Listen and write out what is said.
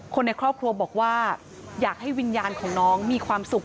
คนในครอบครัวบอกว่าอยากให้วิญญาณของน้องมีความสุข